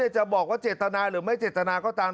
จะบอกว่าเจตนาหรือไม่เจตนาก็ตาม